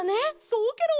そうケロ！